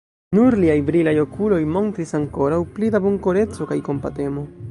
Nur liaj brilaj okuloj montris ankoraŭ pli da bonkoreco kaj kompatemo.